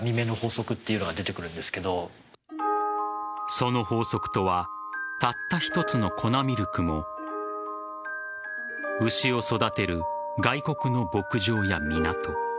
その法則とはたった一つの粉ミルクも牛を育てる外国の牧場や港